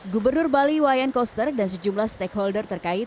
gubernur bali wayan koster dan sejumlah stakeholder terkait